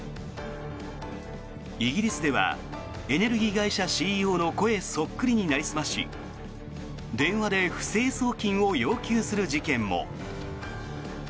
イギリスではエネルギー会社ＣＥＯの声そっくりになりすまし電話で不正送金を要求する事件も。